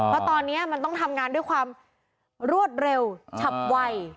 เพราะตอนนี้มันต้องทำงานด้วยความรวดเร็วฉับไว